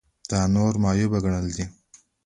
دا نورو معیوب ګڼل دي.